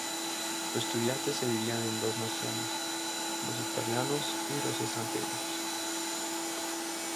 Los estudiantes se dividían en dos naciones: los italianos y los extranjeros.